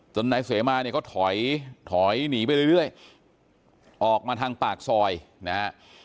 จนนายเสมอมาก็ถอยหนีไปเรื่อยออกมาทางปากซอยนะครับ